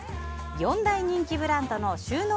４大人気ブランドの収納